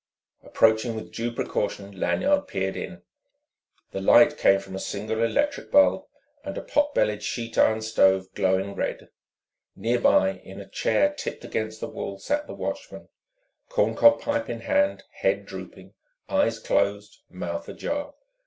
Approaching with due precaution, Lanyard peered in. The light came from a single electric bulb and a potbellied sheet iron stove, glowing red. Near by, in a chair tipped against the wall, sat the watchman, corncob pipe in hand, head drooping, eyes closed, mouth ajar.